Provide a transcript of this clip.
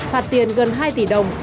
phạt tiền gần hai tỷ đồng